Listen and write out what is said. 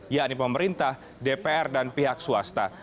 yakni pemerintah dpr dan pihak swasta